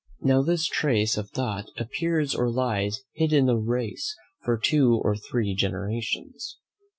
Now this trace of thought appears or lies hid in the race for two or three generations.